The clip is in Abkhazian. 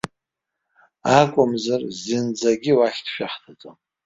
Акәымзар зынӡагьы уахь дшәаҳҭаӡом!